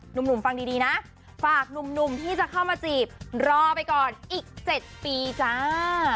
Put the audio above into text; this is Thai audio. หนุ่มฟังดีนะฝากหนุ่มที่จะเข้ามาจีบรอไปก่อนอีก๗ปีจ้า